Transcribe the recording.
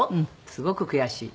すごく悔しい。